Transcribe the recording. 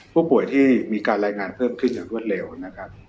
ผู้ป่วยที่มีการรายงานเพิ่มขึ้นอย่างรวดเร็วนะครับ